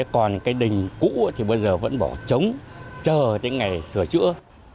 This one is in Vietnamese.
còn cái đình cũ thì bây giờ vẫn bỏ trống chờ cái ngày sửa chữa